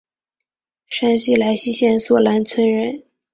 山东莱西县索兰村人。